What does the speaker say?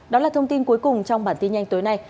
đó là thông tin cuối cùng trong bản tin nhanh tối nay